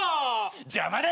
邪魔だ！